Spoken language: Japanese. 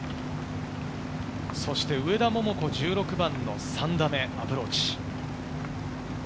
そして上田桃子、１６番の３打目、アプローチ。